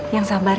yang sabar ya